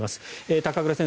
高倉先生